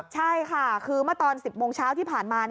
ใช่ค่ะคือเมื่อตอน๑๐โมงเช้าที่ผ่านมา